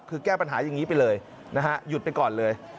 คือแก้ปัญหาอย่างนี้ไปเลยนะฮะหยุดไปก่อนเลย